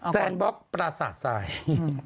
แซนบ๊อกปราสาสายหรือว่าอะไรแม่เอ้าค่ะอืม